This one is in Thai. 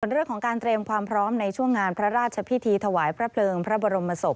เรื่องของการเตรียมความพร้อมในช่วงงานพระราชพิธีถวายพระเพลิงพระบรมศพ